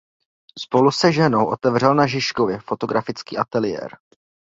Spolu se ženou otevřel na Žižkově fotografický ateliér.